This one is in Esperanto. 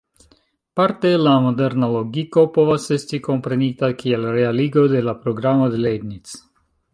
Parte la "moderna logiko" povas esti komprenita kiel realigo de la programo de Leibniz.